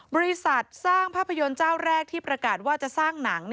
บริษัทสร้างภาพยนตร์เจ้าแรกที่ประกาศว่าจะสร้างหนัง